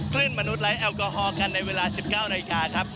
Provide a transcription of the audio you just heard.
คลื่นมนุษย์ไร้แอลกอฮอลกันในเวลา๑๙นาฬิกาครับ